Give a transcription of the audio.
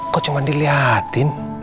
kok cuma diliatin